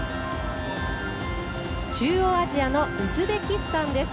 中央アジアのウズベキスタンです。